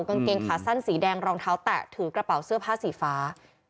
กางเกงขาสั้นสีแดงรองเท้าแตะถือกระเป๋าเสื้อผ้าสีฟ้า